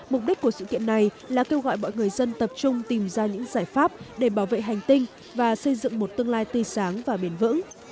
mục đích của sự kiện này là kêu gọi mọi người dân tập trung tìm ra những giải pháp để bảo vệ hành tinh và xây dựng một tương lai tươi sáng và bền vững